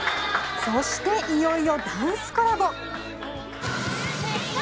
そしていよいよダンスコラボ。